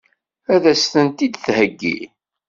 Ad as-tent-id-theggi?